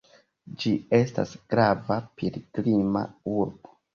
Ĝi estas grava pilgrima urbo.